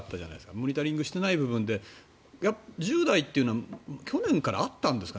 モニタリングしていなかった部分で１０代というのは去年からあったんですかね。